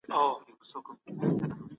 بشري قوانین د ژوند حق څنګه تعریفوي؟